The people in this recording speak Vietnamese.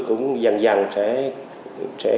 cũng dần dần sẽ